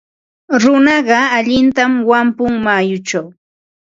Runaqa allintam wampun mayuchaw.